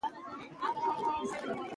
دوی څه شي په خاورو منډي؟